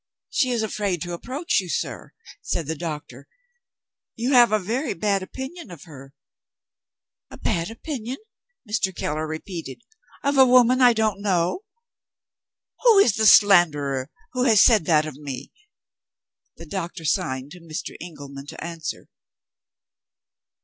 'She is afraid to approach you, sir,' said the doctor; 'you have a very bad opinion of her.' 'A bad opinion,' Mr. Keller repeated, 'of a woman I don't know? Who is the slanderer who has said that of me?' The doctor signed to Mr. Engelman to answer.